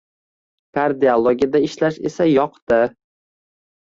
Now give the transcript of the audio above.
Kardiologiyada ishlash esa yoqdi